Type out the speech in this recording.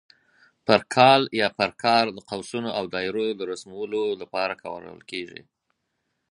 پر کال یا پر کار د قوسونو او دایرو د رسمولو لپاره کارول کېږي.